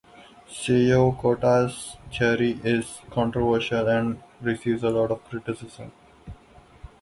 Seykota's theory is controversial and receives a lot of criticism.